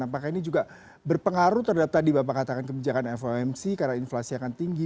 apakah ini juga berpengaruh terhadap tadi bapak katakan kebijakan fomc karena inflasi akan tinggi